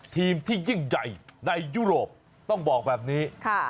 ทีมที่ยิ่งใหญ่ในยุโรปต้องบอกแบบนี้